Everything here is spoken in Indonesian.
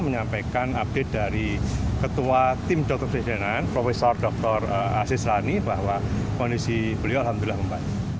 menyampaikan update dari ketua tim dokter presidenan prof dr asis rani bahwa kondisi beliau alhamdulillah membaik